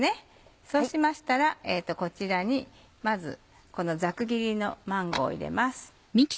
そうしましたらこちらにまずこのざく切りのマンゴーを入れます。